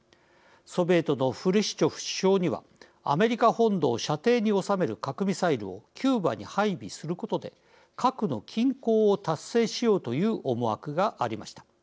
ソビエトのフルシチョフ首相にはアメリカ本土を射程に収める核ミサイルをキューバに配備することで核の均衡を達成しようという思惑がありました。